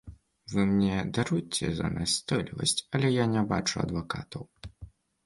Вы мне даруйце за настойлівасць, але я не бачу адвакатаў.